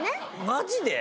マジで？